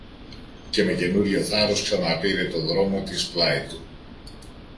Και με καινούριο θάρρος ξαναπήρε το δρόμο της πλάι του.